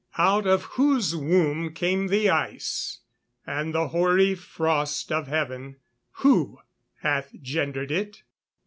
[Verse: "Out of whose womb came the ice? and the hoary frost of heaven, who hath gendered it?"